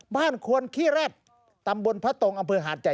บ้านควนขี้แร่บตำบลพระตงศ์อำเภอหาชัย